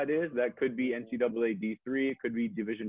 itu bisa jadi ncaa d tiga atau division dua